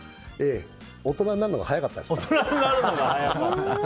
大人になるのが早かったですね。